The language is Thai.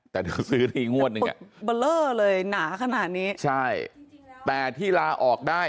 แต่เธอซื้ออีกงวดหนึ่งบัลเลอร์เลยหนาขนาดนี้ใช่จริงจริงแล้วแต่ที่ลาออกได้